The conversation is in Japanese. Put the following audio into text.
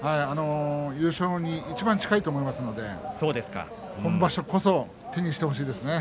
優勝にいちばん近いと思いますので今場所こそ手にしてほしいですね。